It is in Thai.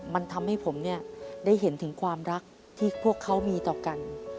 มันทำให้ผมเนี่ยได้เห็นถึงความรักที่พวกเขามีต่อกัน